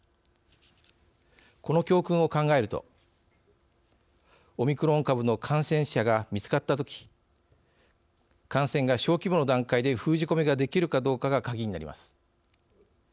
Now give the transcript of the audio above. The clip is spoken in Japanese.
この教訓を考えるとオミクロン株の感染者が見つかったとき感染が小規模の段階で封じ込めができるかどうかがカギになります。